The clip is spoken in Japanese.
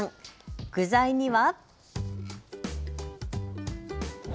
具材には。